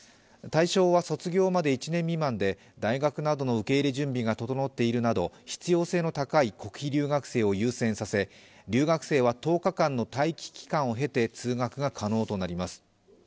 対象は卒業まで１年未満で大学などの受け入れ準備が整っているなど必要性の高い国費留学生を優先させ留学生は１０日間の待機期間を経て通学が可能となります。